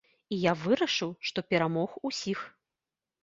І я вырашыў, што перамог усіх.